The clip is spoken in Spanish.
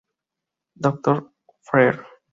D. Fr.